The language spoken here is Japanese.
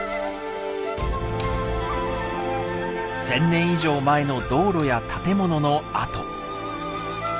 １，０００年以上前の道路や建物の跡。